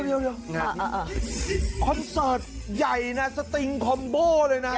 เดี๋ยวคอนเสิร์ตใหญ่นะสติงคอมโบ้เลยนะ